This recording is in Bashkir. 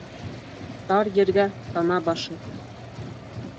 Тар ергә тана башы.